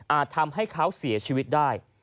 ทำให้เขาเสียชีวิตได้